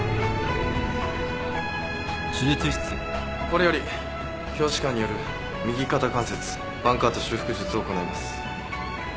これより鏡視下による右肩関節バンカート修復術を行います。